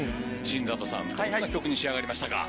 新里さんどんな曲に仕上がりましたか？